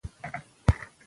پېښور یو ډیر مهم ښار دی.